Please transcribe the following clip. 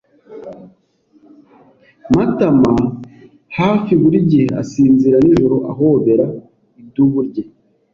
Matama hafi buri gihe asinzira nijoro ahobera idubu rye.